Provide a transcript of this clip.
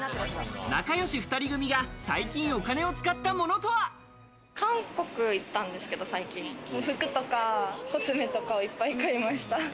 仲よし２人組が最近お金を使韓国行ったんですけど、服とかコスメとかをいっぱい買いました。